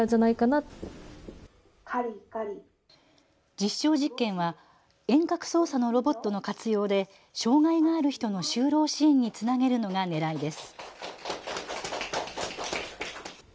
実証実験は遠隔操作のロボットの活用で障害がある人の就労支援につなげるのがねらいです。